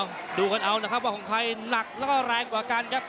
ดูกันเอานะครับว่าของใครหนักแล้วก็แรงกว่ากันครับ